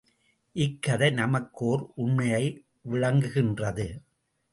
இக் கதை நமக்கு, ஓர் உண்மையை விளங்குகின்றது.